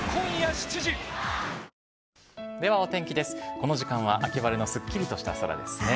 この時間は、秋晴れのすっきりとした空ですね。